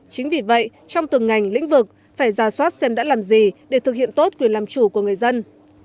chính vì vậy trong từng ngành lĩnh vực phải ra soát xem đã làm gì để thực hiện tốt quyền làm chủ của người dân